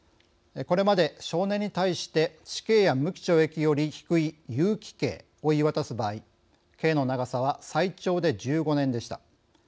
これまで、少年に対して死刑や無期懲役より低い有期刑を言い渡す場合刑の長さは最長で１５年でした。